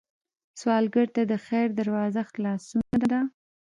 سوالګر ته د خیر دروازه خلاصون ده